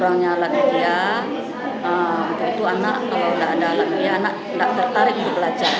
maka anak tidak tertarik untuk belajar